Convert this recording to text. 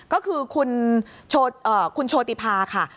ก็คือคุณโชติภาค่ะ